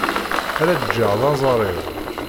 Ara d-ğğeɣ d aẓar-iw.